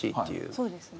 そうですね。